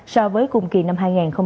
so với khung kỳ năm hai nghìn một mươi bảy